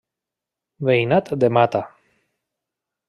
Veïnat de Mata.